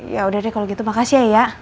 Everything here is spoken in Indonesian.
yaudah deh kalau gitu makasih ya ya